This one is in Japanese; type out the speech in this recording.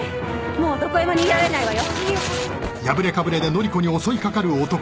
もうどこへも逃げられないわよ。